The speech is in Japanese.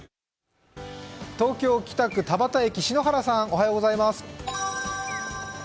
東京・北区田端駅、篠原さんおはようございます。